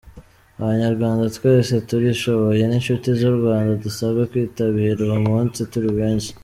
Abanyarwanda twese tubishoboye n’inshuti z’u Rwanda dusabwe kwitabira uwo munsi turi benshi.